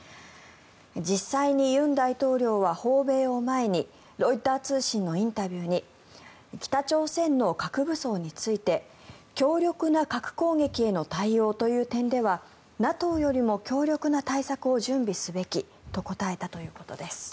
実際に尹大統領は訪米を前にロイター通信のインタビューに北朝鮮の核武装について強力な核攻撃への対応という点ではＮＡＴＯよりも強力な対策を準備すべきと答えたということです。